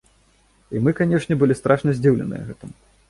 І мы, канешне, былі страшна здзіўленыя гэтым.